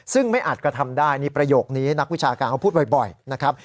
ซึ่งไม่อาจกระทำได้นี่ประโยคนี้นักวิชาการเขาพูดบ่อยนะครับ